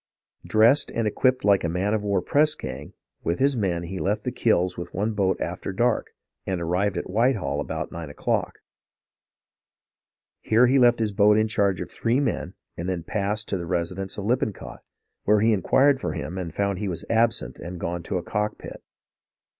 Dressed and equipped like a man of war press gang, with his men he left the Kills with one boat after dark, and arrived at Whitehall about nine o'clock. Here he left his boat in charge of three men and then passed to the resi dence of Lippencott, where he inquired for him and found he was absent and gone to a cockpit.